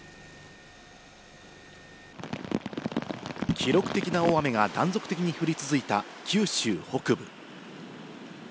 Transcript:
記録的な大雨が断続的に降り続いた九州北部。